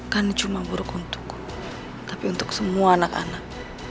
kan cuma buruk untukku tapi untuk semua anak anak